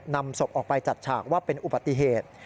นำศพออกไปจัดฉากว่าเป็นอุบัติเหตุ